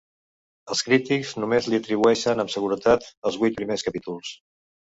Els crítics només l'hi atribueixen amb seguretat els vuit primers capítols.